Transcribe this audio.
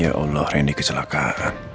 ya allah rendi kesilakan